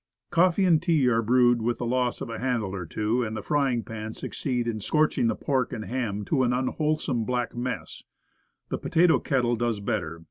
Coffee and tea are brewed with the loss of a handle or two, and the frying pans succeed in scorching the pork and ham to an unwholesome black mess. The potato kettle does better.